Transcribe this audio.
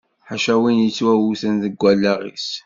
Ḥaca win yettwawten deg allaɣ-is.